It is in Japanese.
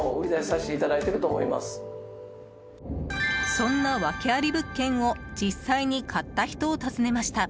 そんなワケあり物件を実際に買った人を訪ねました。